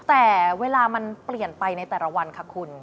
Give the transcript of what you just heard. แต่เวลามันเปลี่ยนไปในแต่ละวันค่ะคุณ